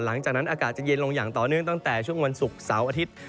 หลังจากนั้นอากาศจะเย็นลงอย่างต่อเนื่องตั้งแต่ช่วงวันศุกร์เสาร์อาทิตย์